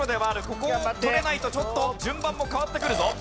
ここをとれないとちょっと順番も変わってくるぞ。